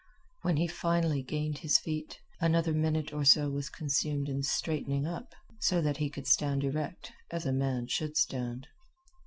When he finally gained his feet, another minute or so was consumed in straightening up, so that he could stand erect as a man should stand.